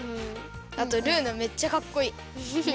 あとルーナめっちゃかっこいい。ね！